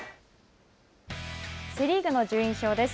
セ・リーグの順位表です。